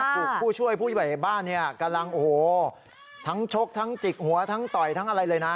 ถูกผู้ช่วยผู้ใหญ่บ้านเนี่ยกำลังโอ้โหทั้งชกทั้งจิกหัวทั้งต่อยทั้งอะไรเลยนะ